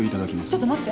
ちょっと待って。